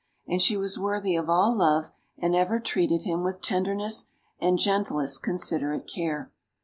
And she was worthy of all love, and ever treated him with tenderness and gentlest considerate care.